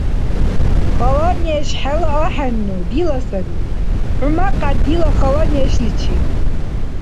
– Хала неш хӀела ахӀенну, дила сари. ХӀу мякьяд дила хала нешличи!